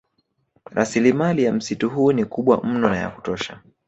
Rasilimali ya msitu huu ni kubwa mno na ya kutosha